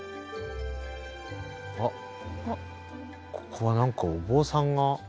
あっここは何かお坊さんが。